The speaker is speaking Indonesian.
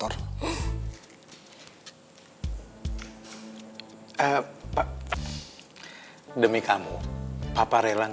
udah gak sabaran